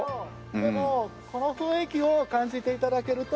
でもこの雰囲気を感じて頂けると。